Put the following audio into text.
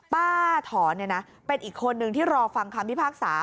ป้าถอนเป็นอีกคนนึงที่รอฟังคำพิพากษา